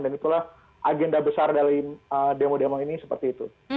dan itulah agenda besar dari demo demo ini seperti itu